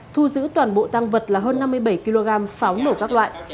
thu giữ toàn bộ tăng vật là hơn năm mươi bảy kg pháo nổ các loại